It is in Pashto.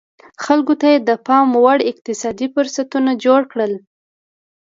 خلکو ته یې د پام وړ اقتصادي فرصتونه جوړ کړل